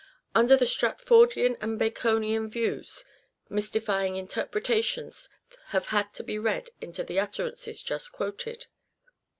Under the Stratfordian and Baconian views mysti fying interpretations have had to be read into the utterances just quoted.